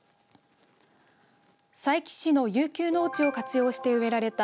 佐伯市の遊休農地を活用して植えられた